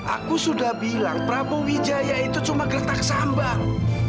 aku sudah bilang prabu wijaya itu cuma geletak sambang